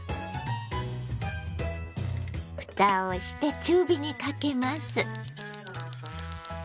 ふたをして中火にかけます。